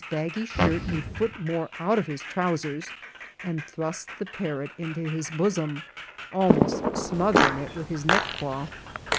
835 Ual>&ggy shirt a foot more out of his trouBen, and thrust the parrot into his bosom, afanost smothering it with his neckcloth.